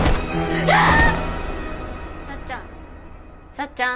幸ちゃん。